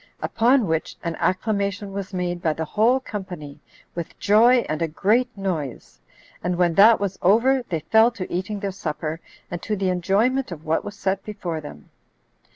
Upon which an acclamation was made by the whole company, with joy and a great noise; and when that was over, they fell to eating their supper, and to the enjoyment of what was set before them.